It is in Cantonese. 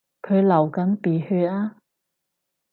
佢流緊鼻血呀